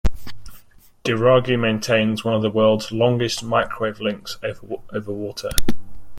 Dhiraagu maintains one of the world's longest microwave links over water.